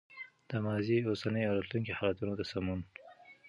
د ماضي، اوسني او راتلونکي حالتونو د سمون